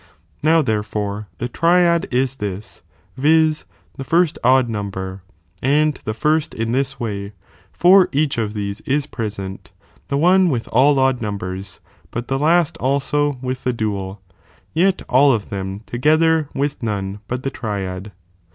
^ Now therefore the triad is this, viz. defined. the first odd number, and the first in this way, for each of these is present, the one with all odd numbers, but the last also with the dual, yet all of them (together) with none (but the triad).